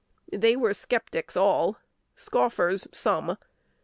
They were sceptics all, scoffers some.